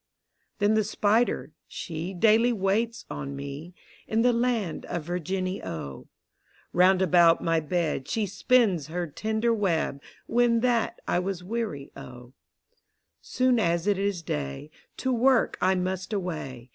Then the Spider, she Daily waits on me, In the land of Virginny, O: Round about my bed She spins her tender web. When that I was weary, O. So soon as it is day. To work I must away.